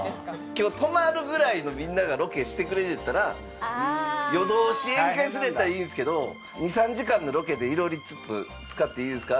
今日泊まるぐらいのみんながロケしてくれたら夜通し宴会するんやったらいいんですけど２３時間のロケで囲炉裏使っていいですか？